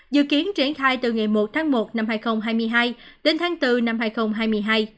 dự kiến triển khai từ ngày một tháng một năm hai nghìn hai mươi hai đến tháng bốn năm hai nghìn hai mươi hai